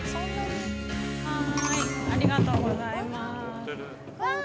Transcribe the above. ◆はーい、ありがとうございます。